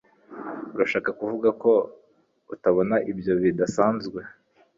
Urashaka kuvuga ko utabona ibyo bidasanzwe